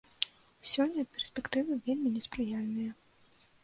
Сёння перспектывы вельмі неспрыяльныя.